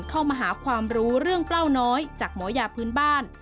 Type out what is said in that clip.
เข้ามาหาความรู้เรื่องเปล้าน้อยจากหมอยาพื้นบ้าน